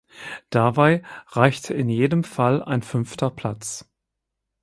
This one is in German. Davey reichte in jedem Fall ein fünfter Platz.